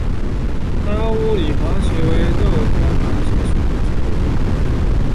达乌里黄耆为豆科黄芪属的植物。